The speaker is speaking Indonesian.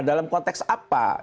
dalam konteks apa